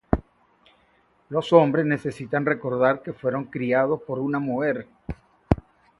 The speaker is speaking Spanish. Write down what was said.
Los hombres necesitan recordar que fueron criados por una mujer.